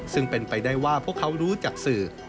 ซึ่งเป็นไปได้ว่าพวกเขารู้จากสื่อ